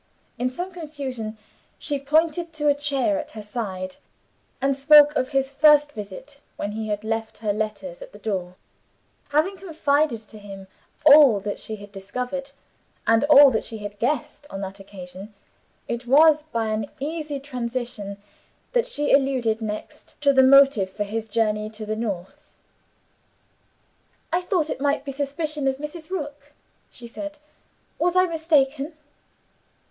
In some confusion, she pointed to a chair at her side, and spoke of his first visit, when he had left her letters at the door. Having confided to him all that she had discovered, and all that she had guessed, on that occasion, it was by an easy transition that she alluded next to the motive for his journey to the North. "I thought it might be suspicion of Mrs. Rook," she said. "Was I mistaken?"